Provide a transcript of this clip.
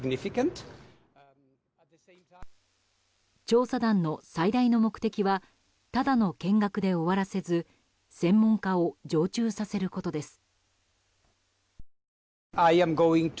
調査団の最大の目的はただの見学で終わらせず専門家を常駐させることです。